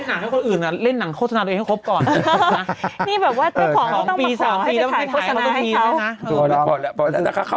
อัก